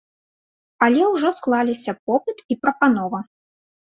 Але ўжо склаліся попыт і прапанова.